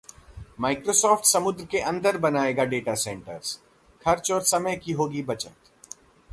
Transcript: Microsoft समुद्र के अंदर बनाएगा डेटा सेंटर्स, खर्च और समय की होगी बचत